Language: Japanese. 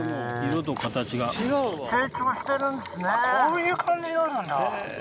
こういう感じになるんだ。